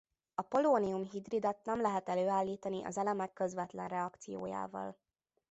A polónium-hidridet nem lehet előállítani az elemek közvetlen reakciójával.